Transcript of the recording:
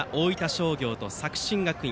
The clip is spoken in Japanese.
商業と作新学院